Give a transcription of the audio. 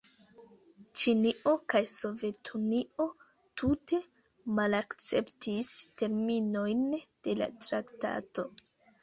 Ĉinio kaj Sovetunio tute malakceptis terminojn de la traktato.